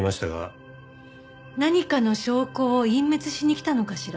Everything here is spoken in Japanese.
何かの証拠を隠滅しに来たのかしら？